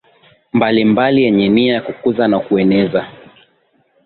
mbalimbali yenye nia ya kukuza na kueneza